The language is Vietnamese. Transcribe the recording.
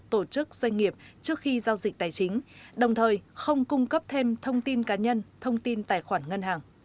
tổ chức doanh nghiệp trước khi giao dịch tài chính đồng thời không cung cấp thêm thông tin cá nhân thông tin tài khoản ngân hàng